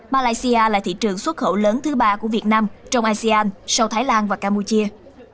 malaysia là thị trường xuất khẩu lớn thứ ba của việt nam trong asean sau thái lan và campuchia